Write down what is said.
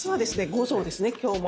五臓ですね今日も。